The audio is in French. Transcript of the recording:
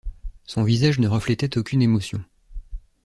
Son visage ne reflétait aucune émotion.